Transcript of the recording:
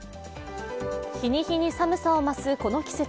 日に日に寒さを増すこの季節。